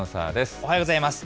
おはようございます。